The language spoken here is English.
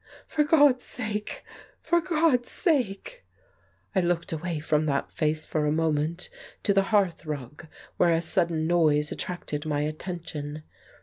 ... "For God's sake, for God's sake !..." I looked away from that face for a moment to the hearthrug where a sudden noise attracted my attention.